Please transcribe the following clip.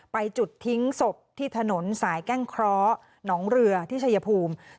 ไปจุดทิ้งศพที่ถนนสายแก้งเคราะห์หนองเรือที่ชายภูมิ